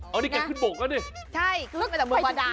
เอานี่แกขึ้นบกใช่เครื่องแต่บัวด่าน